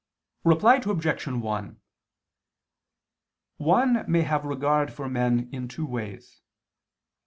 Reply Obj. 1: One may have regard for men in two ways.